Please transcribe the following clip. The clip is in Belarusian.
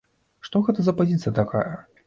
Што гэта за пазіцыя такая?